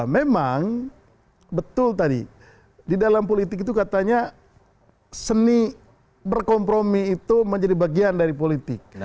memang betul tadi di dalam politik itu katanya seni berkompromi itu menjadi bagian dari politik